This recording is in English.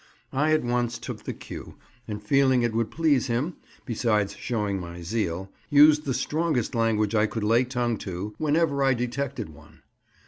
I at once took the cue, and feeling it would please him, besides showing my zeal, used the strongest language I could lay tongue to whenever I detected one.